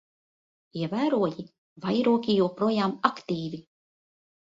Ievēroji? Vairogi joprojām aktīvi.